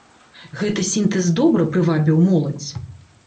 Гэты сінтэз добра прывабіў моладзь.